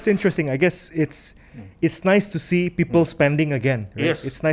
saya rasa ini bagus untuk melihat orang orang menghabiskan lagi